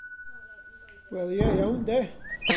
Wel ie, iawn 'de.